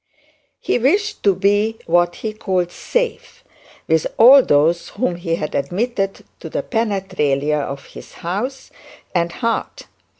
He wished to be what he called "safe" with all those whom he had admitted to the penetralia of his house and heart.